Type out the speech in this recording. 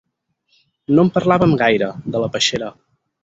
No en parlàvem gaire, de la peixera.